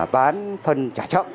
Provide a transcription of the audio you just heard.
bán phân trả chậm